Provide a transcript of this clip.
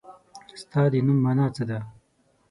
ستا د نوم مانا څه ده ؟